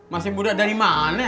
masih muda dari mana